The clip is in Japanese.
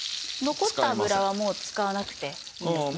残った脂はもう使わなくていいんですね。